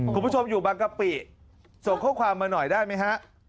คุณผู้ชมอยู่บางกะปิส่งข้อความมาหน่อยได้ไหมฮะ